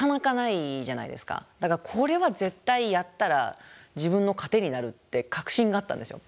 だからこれは絶対やったら自分の糧になるって確信があったんですよ。